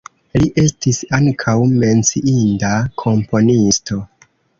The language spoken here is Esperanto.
Li estis ankaŭ menciinda komponisto.